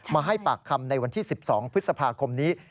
มาให้ปากคำในวันที่๑๒พฤษภาคมนี้